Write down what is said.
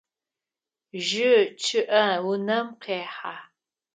Жьы чъыӏэ унэм къехьэ.